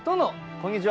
こんにちは。